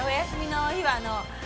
休みの日は。